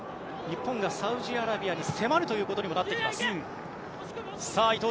日本がサウジアラビアに迫るということになってきます。